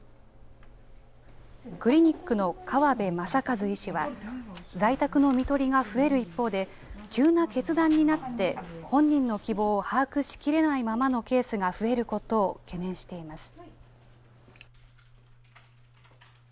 クリニックの川邉正和医師は、在宅のみとりが増える一方で、急な決断になって、本人の希望を把握しきれないままのケースが増えることを懸念しています。